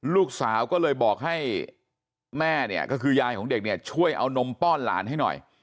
ลูกสาวก็เลยบอกให้แม่เนี่ยก็คือยายของเด็กเนี่ยช่วยเอานมป้อนหลานให้หน่อย